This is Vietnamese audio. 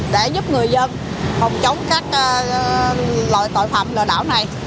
để giúp người dân phòng chống các loại tội phạm lừa đảo này